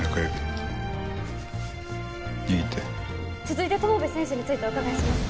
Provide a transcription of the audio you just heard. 続いて友部選手についてお伺いします。